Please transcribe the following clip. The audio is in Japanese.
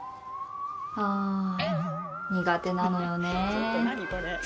「ああ、苦手なのよねえ。」